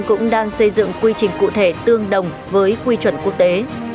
cũng đang xây dựng quy trình cụ thể tương đồng với quy chuẩn quốc tế